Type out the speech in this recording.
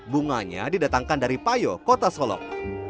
bunganya didatangkan dari payo kota solok